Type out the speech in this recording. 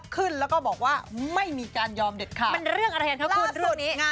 ขึ้นแล้วก็บอกว่าไม่มีการยอมเด็ดค่ะ